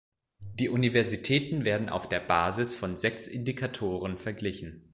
Die Universitäten werden auf der Basis von sechs Indikatoren verglichen.